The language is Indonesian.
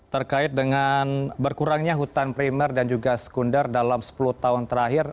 terkait dengan berkurangnya hutan primer dan juga sekunder dalam sepuluh tahun terakhir